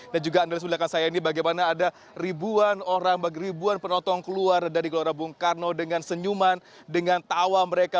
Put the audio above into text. dan juga analis belakang saya ini bagaimana ada ribuan orang ribuan penonton keluar dari gelora bung karno dengan senyuman dengan tawa mereka